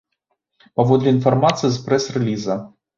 Паводле інфармацыі з прэс-рэліза.